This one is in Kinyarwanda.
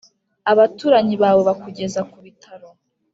abaturanyi bawe bakugeza ku bitaro